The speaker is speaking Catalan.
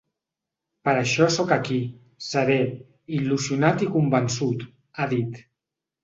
Per això sóc aquí, serè, il·lusionat i convençut, ha dit.